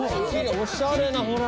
おしゃれなほら。